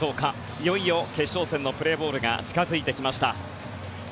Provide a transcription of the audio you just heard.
いよいよ決勝戦のプレーボールが近付いてきました。